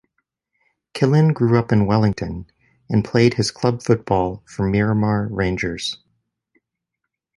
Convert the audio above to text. Killen grew up in Wellington and played his club football for Miramar Rangers.